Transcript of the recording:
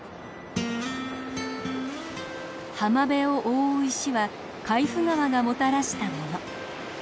浜辺を覆う石は海部川がもたらしたもの。